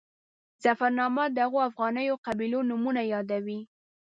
ظفرنامه د هغو افغاني قبیلو نومونه یادوي.